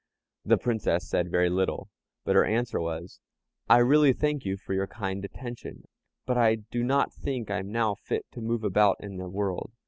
The Princess said very little, but her answer was, "I really thank you for your kind attention, but I do not think I am now fit to move about in the world.